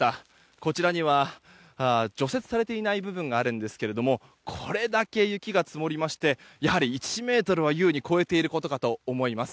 こちらには除雪されていない部分があるんですけれどもこれだけ雪が積もりましてやはり１ｍは優に超えていることかと思います。